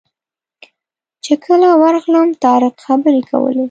چې کله ورغلم طارق خبرې کولې.